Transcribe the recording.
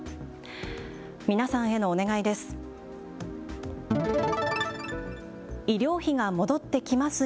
皆さんへのお願いです。